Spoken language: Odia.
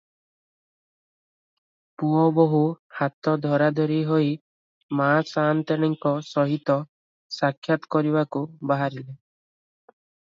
ପୁଅ ବୋହୁ ହାତ ଧରାଧରି ହୋଇ ମା ସାନ୍ତାଣୀଙ୍କ ସହିତ ସାକ୍ଷାତ୍ କରିବାକୁ ବାହାରିଲେ ।